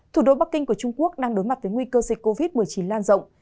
thủ đô bắc kinh của trung quốc đang đối mặt với nguy cơ dịch covid một mươi chín lan rộng